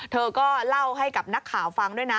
เธอก็เล่าให้กับนักข่าวฟังด้วยนะ